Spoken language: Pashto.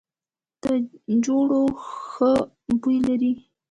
دا خوړو ښه بوی لري.